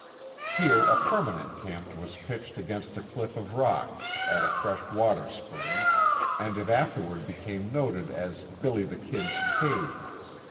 Here a permanent camp was pitched against a cliff of rock, at a fresh water spring, and it afterward became noted as "Billy the Kid's" cave.